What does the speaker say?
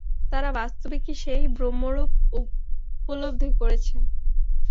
তাঁরা বাস্তবিকই সেই ব্রহ্মস্বরূপ উপলব্ধি করেছেন।